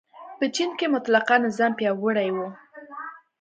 په چین کې مطلقه نظام پیاوړی و.